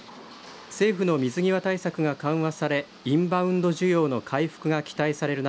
政府の水際対策が緩和されインバウンド需要の回復が期待される